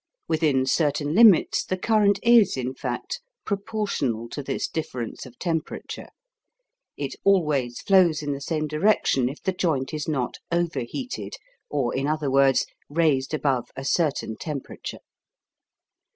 Within certain limits the current is, in fact, proportional to this difference of temperature. It always flows in the same direction if the joint is not overheated, or, in other words, raised above a certain temperature.